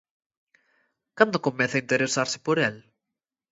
Cando comeza a interesarse por el?